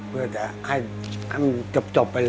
เพื่อจะให้มันจบไป